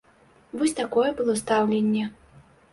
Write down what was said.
Вось такое было стаўленне.